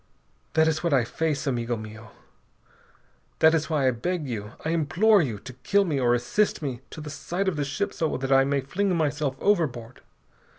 That is what I face, amigo mio. That is why I beg you, I implore you, to kill me or assist me to the side of the ship so that I may fling myself overboard!